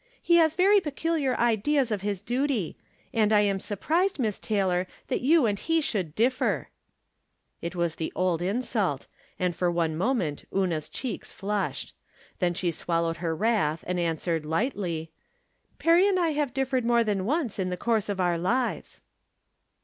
" He has very peculiar ideas of his diity ; and I am surprised, Miss Taylor, that you and he should differ," It was the old insult, and for one moment Una's cheeks flushed. Then she swallowed her wrath, and answered, lightly :" Perry and I have differed more than once in the course of our lives."